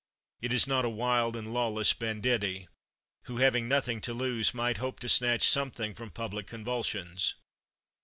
It is not a wild and lawless banditti, who, having nothing to lose, might hope to snatch something from public convulsions.